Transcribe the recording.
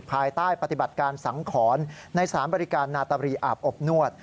ภายใต้ปฏิบัติการสังขรในสารบริการนาตาบรีอาบอบนวด